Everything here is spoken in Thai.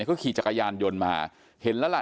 เขาขี่จักรยานยนต์มาเห็นแล้วล่ะ